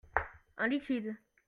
Un liquide.